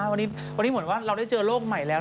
วันนี้เหมือนว่าเราได้เจอโรคใหม่แล้ว